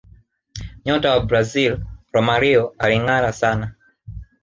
nyota wa brazil romario alingara sana